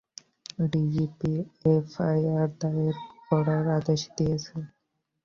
DGP FIR দায়ের করার আদেশ দিয়েছে।